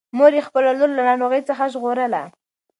مور یې خپله لور له ناروغۍ څخه ژغورله.